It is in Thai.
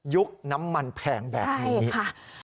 ยุคน้ำมันแพงแบบนี้ใช่ค่ะ